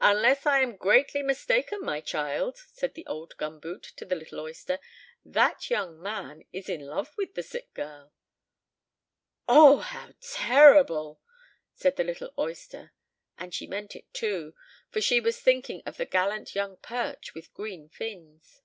"Unless I am greatly mistaken, my child," said the old gum boot to the little oyster, "that young man is in love with the sick girl!" "Oh, how terrible!" said the little oyster; and she meant it too, for she was thinking of the gallant young perch with green fins.